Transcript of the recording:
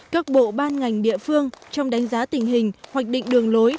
các bộ ban ngành địa phương trong đánh giá tình hình hoạch định đường lối